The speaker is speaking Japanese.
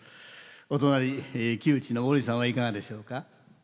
お隣木内昇さんはいかがでしょうか。